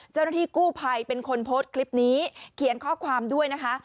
เจ้าหน้าที่กู้ภัยเป็นคนโพสต์คลิปนี้เขียนข้อความด้วยนะคะ